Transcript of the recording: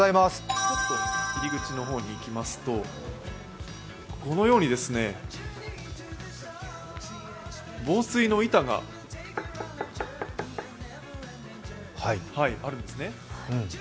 入り口の方に行きますと、このように防水の板があるんですね。